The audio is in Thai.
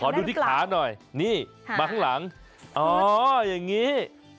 ดูที่ขาหน่อยนี่มาข้างหลังอ๋ออย่างนี้